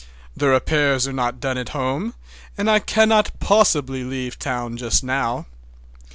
"The repairs are not done at home, and I cannot possibly leave town just now.